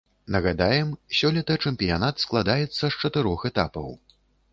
Нагадаем, сёлета чэмпіянат складаецца з чатырох этапаў.